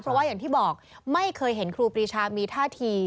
เพราะว่าอย่างที่บอกไม่เคยเห็นครูปรีชามีท่าที